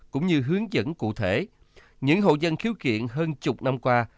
cũng như hướng dẫn cụ thể những hộ dân khiếu kiện hơn chục năm qua